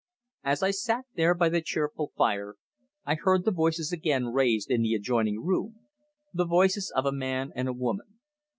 As I sat there by the cheerful fire I heard the voices again raised in the adjoining room the voices of a man and a woman.